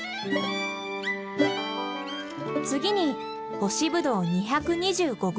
次に干しブドウ２２５ｇ。